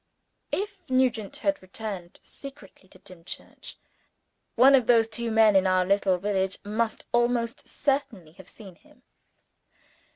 If Nugent had returned secretly to Dimchurch, one of those two men, in our little village, must almost certainly have seen him.